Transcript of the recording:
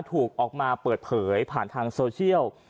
ถูกออกมาเปิดเผยผ่านทางโซเชียล